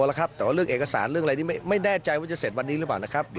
และเรื่องเอกศาลเรื่องอะไรอีกไม่แน่ใจว่าจะเสร็จทีเนี่ยแล้วนะครับ